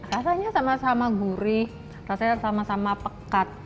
rasanya sama sama gurih rasanya sama sama pekat